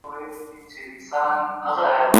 د دلارام شېلې د باران په موسم کي له اوبو ډکېږي